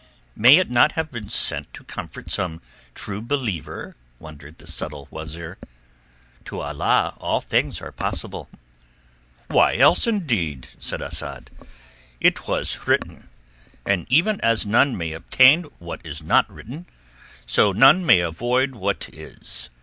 "May it not have been sent to comfort some True Believer?" wondered the subtle wazeer. "To Allah all things are possible." "Why else, indeed?" said Asad. "It was written; and even as none may obtain what is not written, so none may avoid what is.